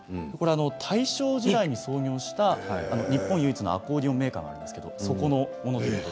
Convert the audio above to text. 大正時代に創業した日本唯一のアコーディオンメーカーがあるんですがそこのものです。